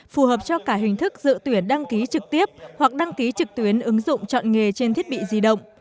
phù hợp cho cả hình thức dự tuyển đăng ký trực tiếp hoặc đăng ký trực tuyến ứng dụng chọn nghề trên thiết bị di động